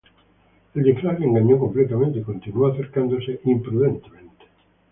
El disfraz le engañó completamente y continuó acercándose imprudentemente.